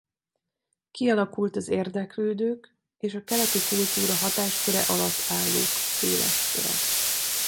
Kialakult az érdeklődők és a keleti kultúra hatásköre alatt állók széles köre.